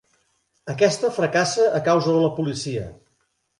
Aquesta fracassa a causa de la policia.